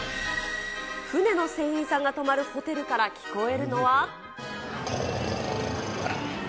船の船員さんが泊まるホテルから聞こえるのは。